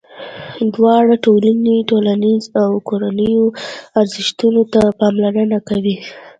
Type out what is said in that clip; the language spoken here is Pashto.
دواړه ټولنې ټولنیزو او کورنیو ارزښتونو ته پاملرنه کوي.